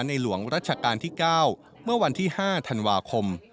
หลวงรัชกาลที่๙เมื่อวันที่๕ธันวาคม